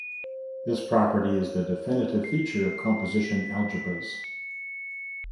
This property is the definitive feature of composition algebras.